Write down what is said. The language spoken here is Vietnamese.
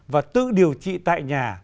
và tự điều trị tại nhà